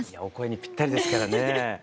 お声にぴったりですからね。